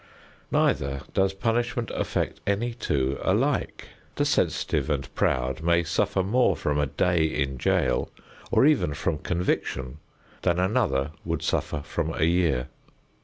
Neither does punishment affect any two alike; the sensitive and proud may suffer more from a day in jail or even from conviction than another would suffer from a year.